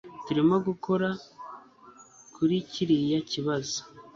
Turimo gukora kuri kiriya kibazo